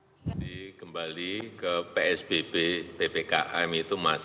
jadi kembali ke psbb ppkm